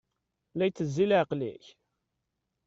La itezzi leɛqel-ik?